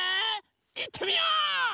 いってみよう！